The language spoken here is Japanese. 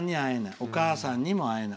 お母さんにも会えない。